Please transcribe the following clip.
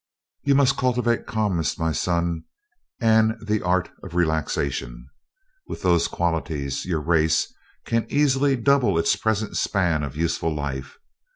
"You must cultivate calmness, my son, and the art of relaxation. With those qualities your race can easily double its present span of useful life.